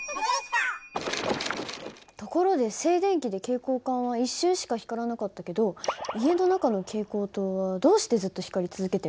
ところで静電気で蛍光管は一瞬しか光らなかったけど家の中の蛍光灯はどうしてずっと光り続けてるの？